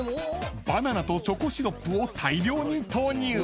［バナナとチョコシロップを大量に投入］